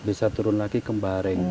bisa turun lagi ke mbareng